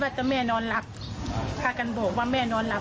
ถ้าแม่นอนหลับพากันบอกว่าแม่นอนหลับ